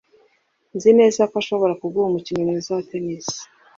Nzi neza ko ashobora kuguha umukino mwiza wa tennis.